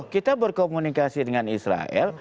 kita berkomunikasi dengan israel